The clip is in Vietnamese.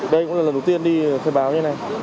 đây cũng là lần đầu tiên đi khai báo như thế này